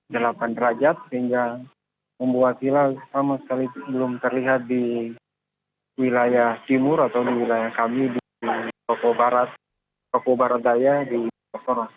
delapan derajat sehingga membuat hilal sama sekali belum terlihat di wilayah timur atau di wilayah kami di toko barat daya di toko